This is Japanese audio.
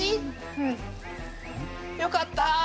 うん！よかった！